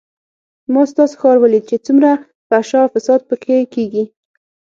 ما ستاسو ښار وليد چې څومره فحشا او فساد پکښې کېږي.